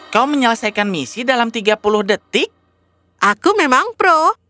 kau menyelesaikan misi dalam tiga puluh detik aku memang pro